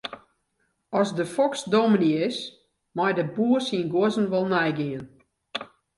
As de foks dominy is, mei de boer syn guozzen wol neigean.